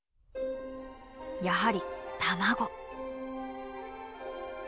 やはり卵。